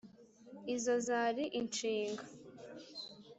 izo zari inshinga.